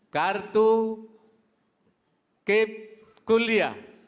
kartu kep kuliah